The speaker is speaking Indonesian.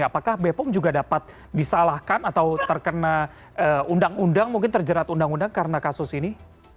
apakah bepom juga dapat disalahkan atau terkena undang undang mungkin terjerat undang undang karena kasus ini